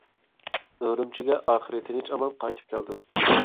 ئۈرۈمچىگە ئاخىرى تىنچ-ئامان قايتىپ كەلدىم.